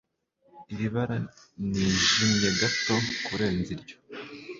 Iri bara nijimye gato kurenza iryo